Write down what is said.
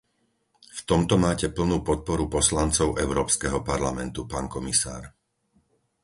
V tomto máte plnú podporu poslancov Európskeho parlamentu, pán komisár.